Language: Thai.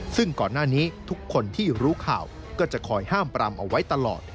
ซึ่งก่อนหน้านี้ทุกคนที่รู้ข่าวก็จะคอยห้ามปรามเอาไว้ตลอด